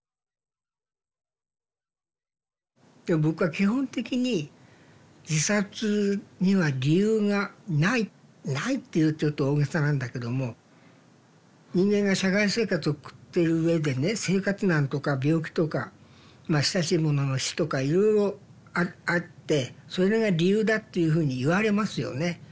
僕は基本的に自殺には理由がないないっていうとちょっと大げさなんだけども人間が社会生活を送ってるうえでね生活難とか病気とかまあ親しい者の死とかいろいろあってそれが理由だっていうふうにいわれますよね。